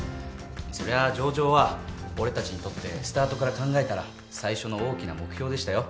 そりゃ上場は俺たちにとってスタートから考えたら最初の大きな目標でしたよ。